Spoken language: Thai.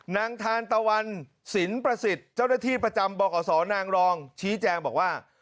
นังธานตะวันศิลปศิษฐ์เจ้าหน้าที่ประจำบราศนางรองชี้แจงบอกว่า